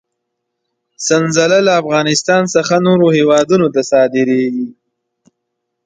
سنځله له افغانستان څخه نورو هېوادونو ته صادرېږي.